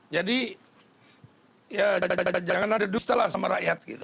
jadi ya jangan ada duit setelah sama rakyat gitu